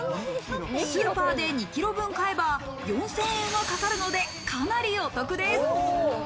スーパーで２ｋｇ分買えば４０００円はかかるので、かなりお得です。